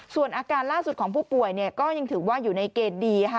ส่วนอาการล่าสุดของผู้ป่วยก็ยังถือว่าอยู่ในเกณฑ์ดีค่ะ